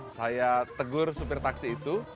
saya tegur supir taksi itu